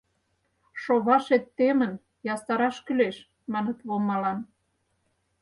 Шовашет темын, ястараш кӱлеш! — маныт Вомалан.